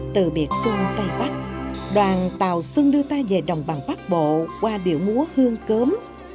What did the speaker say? từ biệt xuân tây bắc đoàn tàu xuân đưa ta về đồng bằng bắc bộ qua điệu múa hương cơm